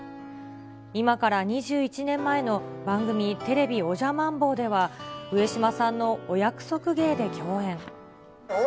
今から２１年前の番組、ＴＶおじゃマンボウでは上島さんのお約束芸で共演。